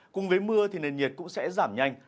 cùng với mưa thì nền nhiệt cũng sẽ giảm nhanh